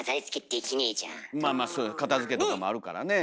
まあまあ片づけとかもあるからね。